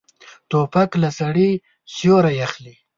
توپک له سړي سیوری اخلي.